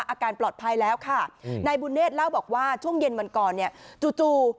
อาการปลอดภัยแล้วค่ะนายบุญเนธเล่าบอกว่าช่วงเย็นวันก่อนเนี่ยจู่จู่